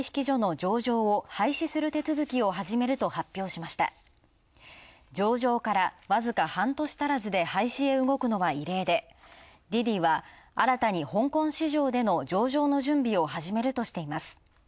上場から僅か半年足らずで廃止へ動くのは異例で、滴滴は新たに香港市場での上場の準備を始めるとしています。